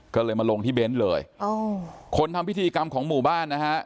ก็เลยมาลงที่เบนท์เลยคนทำพิธีกรรมของหมู่บ้านนะฮะ